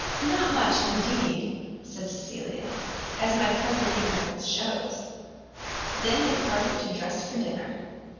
"Not much, indeed," said Cecilia, "as my present ignorance shews." They then parted to dress for dinner.